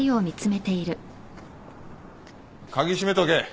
鍵しめとけ。